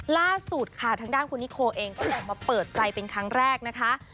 ล่าสุดค่ะทางด้านคุณนิโคเองก็ออกมาเปิดใจเป็นครั้งแรกนะคะ